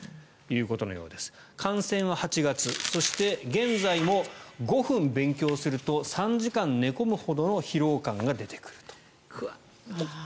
感染は８月そして、現在も５分勉強すると３時間寝込むほどの疲労感が出てくると。